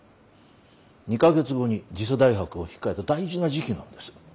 ２か月後に次世代博を控えた大事な時期なんです。